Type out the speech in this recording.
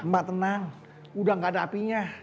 mbak tenang udah gak ada apinya